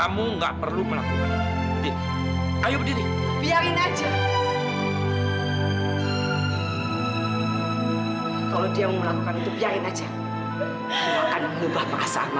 mohon mama percaya sama yang kita yang terang